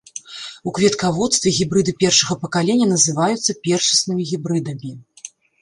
У кветкаводстве гібрыды першага пакалення называюцца першаснымі гібрыдамі.